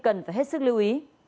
các đối tượng cần phải hết sức lưu ý